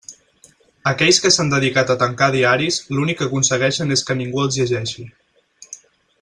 Aquells que s'han dedicat a tancar diaris l'únic que aconsegueixen és que ningú els llegeixi.